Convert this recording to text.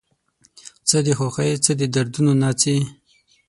څه د خوښۍ څه د دردونو ناڅي